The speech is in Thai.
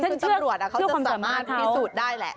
คุณตำรวจเขาจะสามารถพิสูจน์ได้แหละ